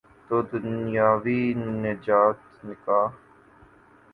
تو دنیاوی نجات کا۔